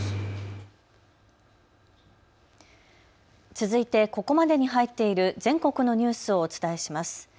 続いてここまでに入っている全国のニュースをお伝えします。